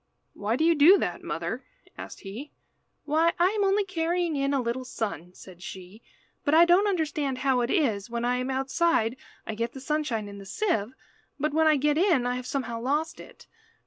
"Why do you do that, mother?" asked he. "Why, I am only carrying in a little sun," said she, "but I don't understand how it is, when I am outside I get the sunshine in the sieve, but when I get in I have somehow lost it.